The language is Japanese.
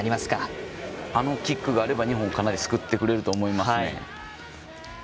あのキックがあれば日本をかなり救ってくれると思いますね。